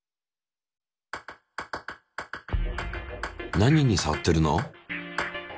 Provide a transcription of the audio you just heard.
何にさわってるの？